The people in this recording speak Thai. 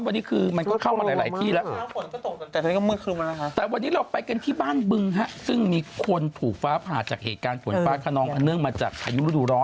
วันนี้คือมันก็เข้ามาหลายที่แล้ว